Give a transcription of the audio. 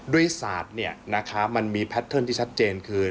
ศาสตร์มันมีแพทเทิร์นที่ชัดเจนคือ